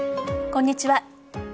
こんにちは。